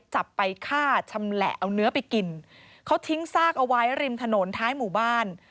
จับไปฆ่าชำแหละเอาเนื้อไปกินเขาทิ้งซากเอาไว้ริมถนนท้ายหมู่บ้าน